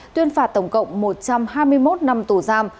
tuyên phạt tổng cộng một trăm hai mươi một năm tù giam